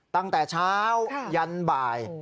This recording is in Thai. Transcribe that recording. ตั้งแต่เช้ายันบ่าย